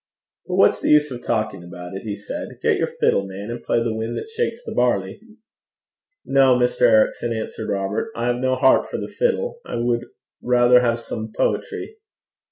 'But what's the use of talking about it?' he said. 'Get your fiddle, man, and play The Wind that Shakes the Barley.' 'No, Mr. Ericson,' answered Robert; 'I have no heart for the fiddle. I would rather have some poetry.'